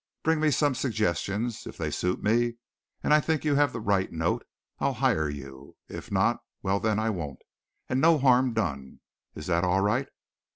Bring me some suggestions. If they suit me and I think you have the right note, I'll hire you. If not, well then I won't, and no harm done. Is that all right?"